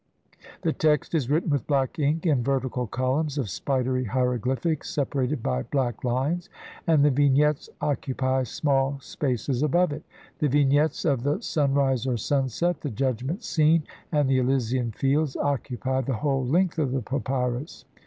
The text is written with black ink in vertical columns of spidery hieroglyphics separated by black lines, and the Vig nettes occupy small spaces above it ; the Vignettes of the Sunrise or Sunset, the Judgment Scene, and the Elysian Fields occupy the whole length of the papyrus.